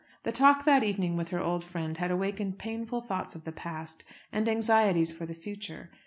The talk that evening with her old friend had awakened painful thoughts of the past and anxieties for the future.